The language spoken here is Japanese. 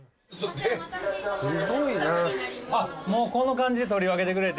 もうこの感じで取り分けてくれて。